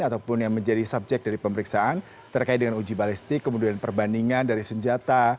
ataupun yang menjadi subjek dari pemeriksaan terkait dengan uji balistik kemudian perbandingan dari senjata